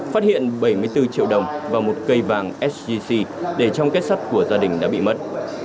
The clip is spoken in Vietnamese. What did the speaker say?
phát hiện bảy mươi bốn triệu đồng và một cây vàng sgc để trong kết sắt của gia đình đã bị mất